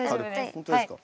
本当ですか？